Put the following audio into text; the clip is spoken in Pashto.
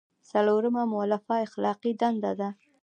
څلورمه مولفه اخلاقي دنده ده.